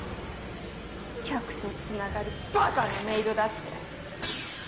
客とつながるバカなメイドだって